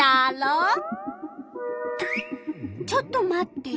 ちょっと待って！